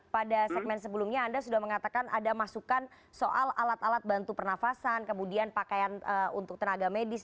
pada segmen sebelumnya anda sudah mengatakan ada masukan soal alat alat bantu pernafasan kemudian pakaian untuk tenaga medis